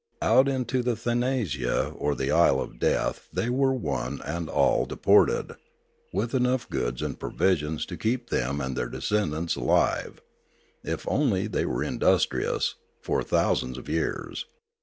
Out into Thanasia or the isle of death they were one and all de ported, with enough goods and provisions to keep them and their descendants alive, if only they were indus trious, for thousands of years.